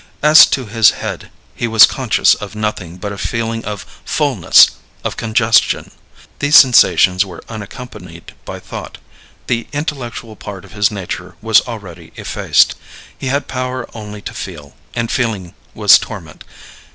As to his head, he was conscious of nothing but a feeling of fulness of congestion. These sensations were unaccompanied by thought. The intellectual part of his nature was already effaced; he had power only to feel, and feeling was torment.